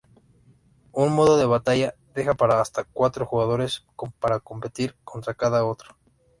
Un Modo de Batalla deja para hasta cuatro jugadores para competir contra cada otro.